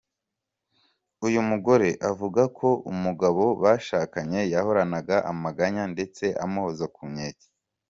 Uyu mugore avuga ko umugabo bashakanye yahoranaga amaganya ndetse amuhoza ku nkeke.